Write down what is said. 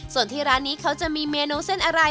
ส่วนที่ร้านนี้เขาจะมีเมนูเส้นอะไร